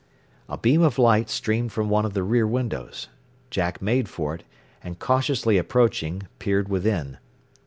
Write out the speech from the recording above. ] A beam of light streamed from one of the rear windows. Jack made for it, and cautiously approaching, peered within.